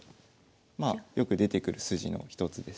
まあよく出てくる筋の一つです。